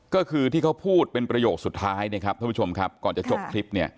ก็คือที่เขาพูดเป็นประโยคสุดท้ายนะครับท่านผู้ชมครับก่อนจะจบคลิปเนี่ย